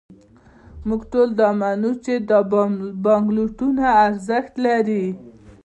موږ ټول دا منو، چې دا بانکنوټونه ارزښت لري.